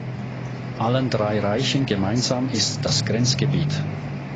Allen drei Reichen gemeinsam ist das Grenzgebiet.